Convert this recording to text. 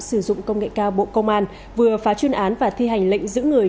sử dụng công nghệ cao bộ công an vừa phá chuyên án và thi hành lệnh giữ người